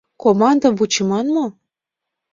— Командым вучыман мо?